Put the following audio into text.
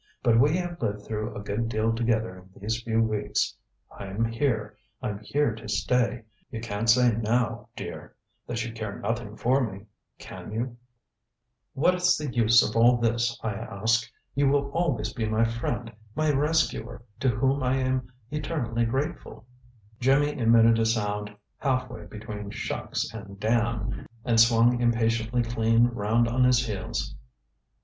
But we have lived through a good deal together in these few weeks. I'm here; I'm here to stay. You can't say now, dear, that you care nothing for me can you?" [Illustration: "You shall not turn me down like this."] "What is the use of all this, I ask! You will always be my friend, my rescuer, to whom I am eternally grateful." Jimmy emitted a sound halfway between "Shucks" and "Damn" and swung impatiently clean round on his heels.